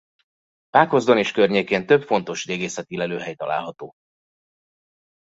Pákozdon és környékén több fontos régészeti lelőhely található.